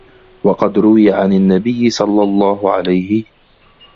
وَقَدْ رُوِيَ عَنْ النَّبِيِّ صَلَّى اللَّهُ عَلَيْهِ